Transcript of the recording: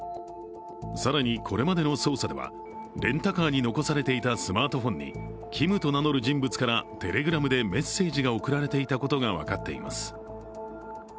更に、これまでの捜査ではレンタカーに残されていたスマートフォンにＫｉｍと名乗る人物からＴｅｌｅｇｒａｍでメッセージが送られていたことが分かっています。